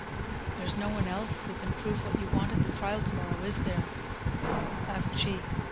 "There's no one else who can prove what you want at the trial to morrow, is there?" asked she.